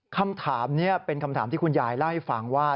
คำถามนี้เป็นคำถามที่คุณยายเล่าให้ฟังว่า